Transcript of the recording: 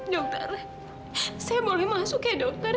dokter saya boleh masuk ya dokter